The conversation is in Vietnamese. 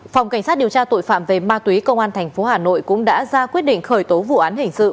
phòng cảnh sát điều tra tội phạm về ma túy công an tp hà nội cũng đã ra quyết định khởi tố vụ án hình sự